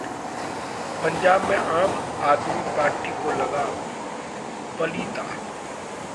पंजाब में आम आदमी पार्टी को लगा पलीता